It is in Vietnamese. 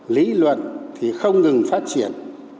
lý luận thì không ngừng phát triển